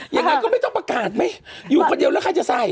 ยังไงก็ไม่ต้องประกาศไหมอยู่คนเดียวแล้วใครจะใส่